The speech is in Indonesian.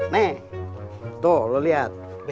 nih tuh lu lihat